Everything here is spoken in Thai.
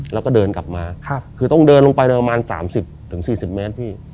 แล้วก็เดินกลับมาคือต้องเดินลงไปเลยประมาณ๓๐๔๐เมตรพี่